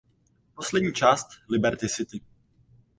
Poslední část Liberty City.